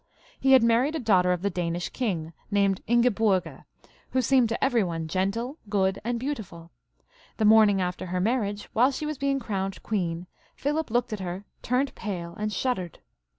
He had married a daughter of the Danish king, named Ingeburga, who seemed to every one gentle, good, and beautiful. The morning after her marriage, while she was being crowned queen, Philip looked at her, turned pale, and shuddered.